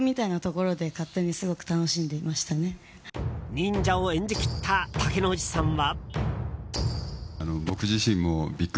忍者を演じ切った竹野内さんは。